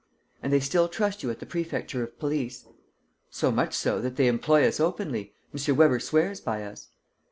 "And they still trust you at the Prefecture of Police?" "So much so that they employ us openly. M. Weber swears by us."